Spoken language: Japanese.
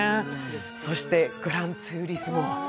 そして「グランツーリスモ」。